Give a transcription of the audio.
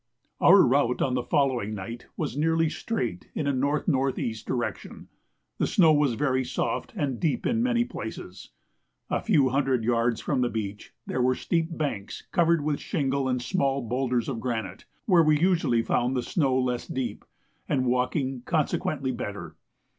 Our route on the following night was nearly straight in a N.N.E. direction. The snow was very soft and deep in many places. A few hundred yards from the beach there were steep banks covered with shingle and small boulders of granite, where we usually found the snow less deep, and walking consequently better.